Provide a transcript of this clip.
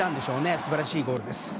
素晴らしいゴールです。